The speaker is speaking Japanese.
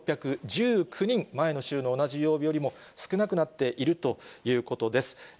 １６１９人、前の週の同じ曜日よりも、少なくなっているということです。